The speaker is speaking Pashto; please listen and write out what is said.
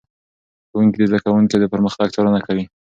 ښوونکي د زده کوونکو د پرمختګ څارنه کوي.